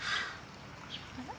あら？